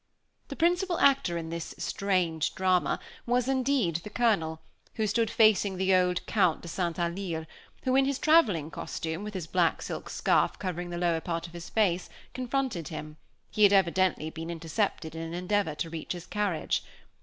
The principal actor in this strange drama was, indeed, the Colonel, who stood facing the old Count de St. Alyre, who, in his traveling costume, with his black silk scarf covering the lower part of his face, confronted him; he had evidently been intercepted in an endeavor to reach his carriage.